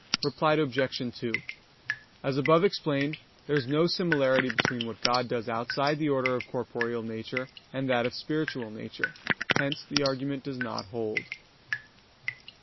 Reply Obj. 2: As above explained, there is no similarity between what God does outside the order of corporeal nature, and that of spiritual nature. Hence the argument does not hold.